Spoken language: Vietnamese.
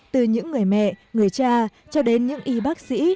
từ những người mẹ người cha cho đến những y bác sĩ